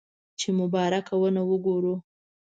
چې مبارکه ونه وګورو.